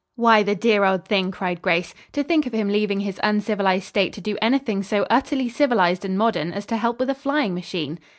"Why, the dear old thing!" cried Grace. "To think of him leaving his uncivilized state to do anything so utterly civilized and modern as to help with a flying machine."